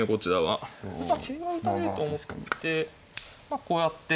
桂馬打たれると思ってまあこうやって。